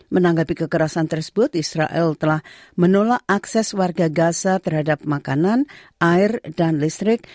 menanggapi kekerasan tersebut israel telah menolak akses warga gaza terhadap makanan air dan listrik